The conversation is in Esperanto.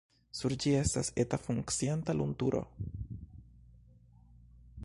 Sur ĝi estas eta funkcianta lumturo.